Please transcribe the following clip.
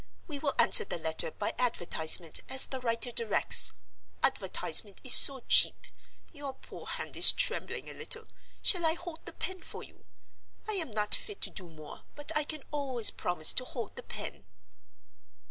We will answer the letter by advertisement, as the writer directs—advertisement is so cheap! Your poor hand is trembling a little—shall I hold the pen for you? I am not fit to do more; but I can always promise to hold the pen."